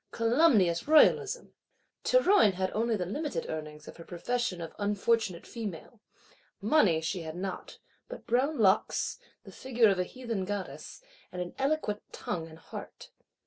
Calumnious Royalism! Théroigne had only the limited earnings of her profession of unfortunate female; money she had not, but brown locks, the figure of a heathen Goddess, and an eloquent tongue and heart.